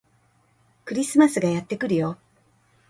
クリスマスがやってくるよ